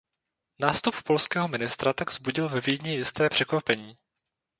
Nástup polského ministra tak vzbudil ve Vídni jisté překvapení.